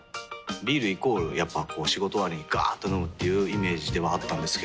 ビールイコールやっぱこう仕事終わりにガーっと飲むっていうイメージではあったんですけど。